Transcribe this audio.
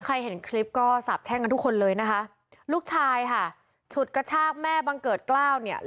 เห็นคลิปก็สาบแช่งกันทุกคนเลยนะคะลูกชายค่ะฉุดกระชากแม่บังเกิดกล้าวเนี่ย